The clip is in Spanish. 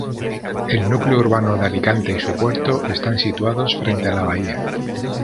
El núcleo urbano de Alicante y su puerto están situados frente a la bahía.